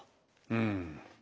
うん。